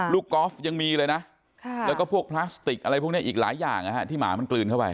กอล์ฟยังมีเลยนะแล้วก็พวกพลาสติกอะไรพวกนี้อีกหลายอย่างที่หมามันกลืนเข้าไป